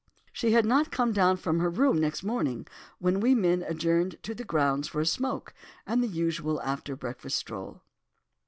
"She had not come down from her room next morning when we men adjourned to the grounds for a smoke, and the usual after breakfast stroll.